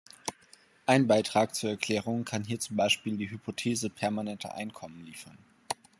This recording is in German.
Ein Beitrag zur Erklärung kann hier zum Beispiel die Hypothese permanenter Einkommen liefern.